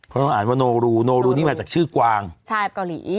เขาต้องอ่านว่าโนรูโนรูนี่มาจากชื่อกวางใช่เกาหลี